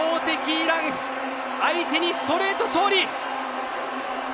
イラン相手にストレート勝利。